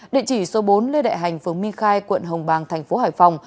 địa chỉ số bốn lê đại hành phường minh khai quận hồng bàng tp hcm